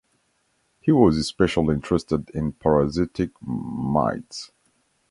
He was especially interested in parasitic mites.